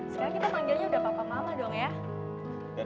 sekarang kita manggilnya udah papa mama doang ya